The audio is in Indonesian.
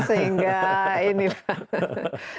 sehingga ini pak